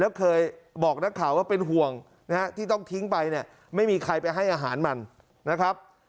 แล้วเคยบอกนักข่าวว่าเป็นห่วงนะฮะที่ต้องทิ้งไปเนี่ยไม่มีใครไปให้อาหารมันนะครับ